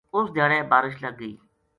اُس دھیاڑے بارش لگ گئی